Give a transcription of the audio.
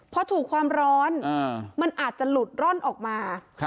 พอถูกความร้อนมันอาจจะหลุดร่อนออกมา